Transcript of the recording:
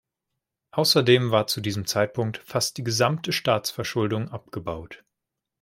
Außerdem war zu diesem Zeitpunkt fast die gesamte Staatsverschuldung abgebaut.